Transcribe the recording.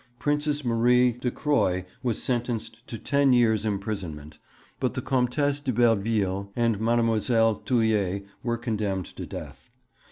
Princess Marie de Croy was sentenced to ten years' imprisonment; but the Comtesse de Belleville and Mademoiselle Thulier were condemned to death.